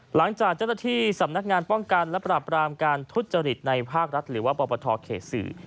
หลังจากเจ้าหน้าที่สำนักงานป้องกันและปราบรามการทุจริตในภาครัฐหรือว่าปปทเขตสื่อ